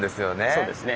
そうですね。